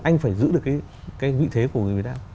anh phải giữ được cái vị thế của người việt nam